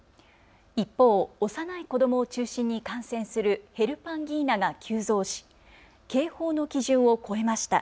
一方幼い子どもを中心に感染するヘルパンギーナが急増し警報の基準を超えました。